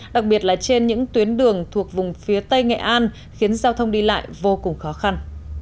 đặc biệt là trên những tuyến đường thuộc vùng phía tây nghệ an khiến giao thông đi lại vô cùng khó khăn